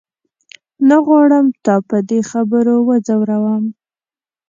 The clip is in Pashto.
نه غواړم تا په دې خبرو وځوروم.